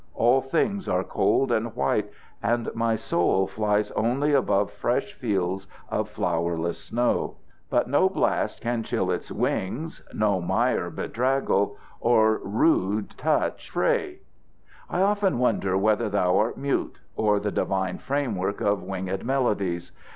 All things are cold and white, and my soul flies only above fresh fields of flowerless snow. But no blast can chill its wings, no mire bedraggle, or rude touch fray. I often wonder whether thou art mute, or the divine framework of winged melodies.